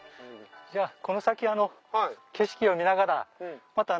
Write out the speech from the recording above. じゃあこの先景色を見ながらまた。